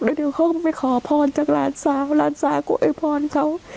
เดี๋ยวเขาก็ไปขอพรจากหลานสาวหลานสาวก็อวยพรเขา